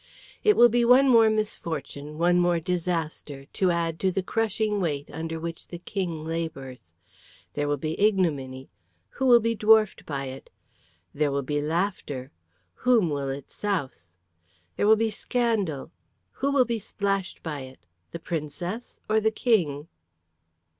It will be one more misfortune, one more disaster, to add to the crushing weight under which the King labours. There will be ignominy; who will be dwarfed by it? There will be laughter; whom will it souse? There will be scandal; who will be splashed by it? The Princess or the King?"